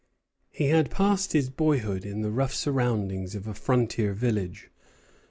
He had passed his boyhood in the rough surroundings of a frontier village.